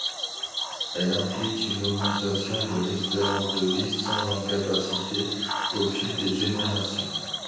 Elle implique une augmentation de l'espérance de vie sans incapacités au fil des générations.